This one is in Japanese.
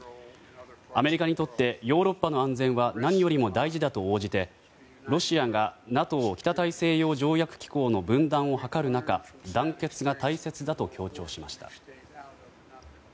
アメリカにとってヨーロッパの安全は何よりも大事だと応じてロシアがＮＡＴＯ・北大西洋条約機構の分断を図る中団結が大切だと強調しました。